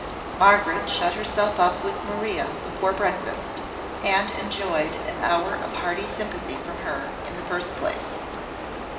Margaret shut herself up with Maria before breakfast, and enjoyed an hour of hearty sympathy from her, in the first place.